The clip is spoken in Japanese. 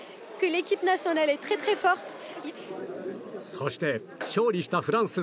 そして勝利したフランス。